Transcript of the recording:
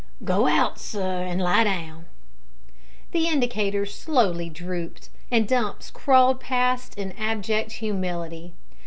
"Go out, sir, and lie down!" The indicators slowly drooped, and Dumps crawled past in abject humility.